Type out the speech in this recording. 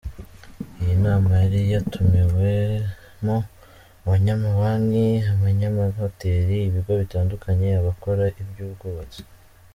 Iyi nama yari yatumiwemo abanyamabanki, abanyamahoteli, ibigo bitandukanye, abakora iby’ubwubatsi.